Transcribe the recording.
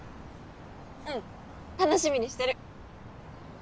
うん楽しみにしてる。